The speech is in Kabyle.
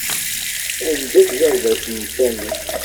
Anda-t baba-s n Sami?